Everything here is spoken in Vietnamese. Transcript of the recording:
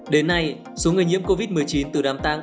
đến nay số người nhiễm covid một mươi chín từ đám tăng